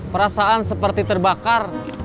perasaan seperti terbakar